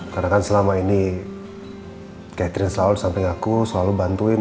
karena kan selama ini catherine selalu disamping aku selalu bantuin